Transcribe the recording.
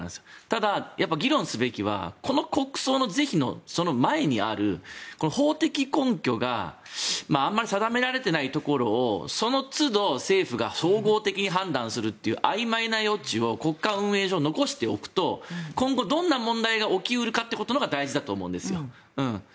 ただ、議論すべきはこの国葬の是非の前にある法的根拠があまり定められていないところをそのつど政府が総合的に判断するというあいまいな余地を国家運営上、残しておくと今後、どんな問題が起き得るかということが問題だと思うんですよ。